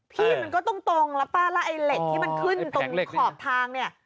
พี่มันก็ตรงแล้วป้าละไอเล็กที่มันขึ้นตรงขอบทางนี่